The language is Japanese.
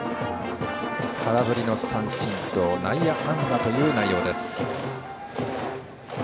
空振りの三振と内野安打という内容です。